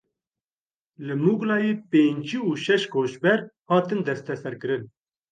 Li Muglayê pêncî û şeş koçber hatin desteserkirin.